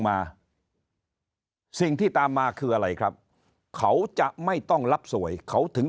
มาสิ่งที่ตามมาคืออะไรครับเขาจะไม่ต้องรับสวยเขาถึง